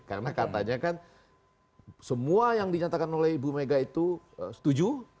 karena katanya kan semua yang dinyatakan oleh ibu mega itu setuju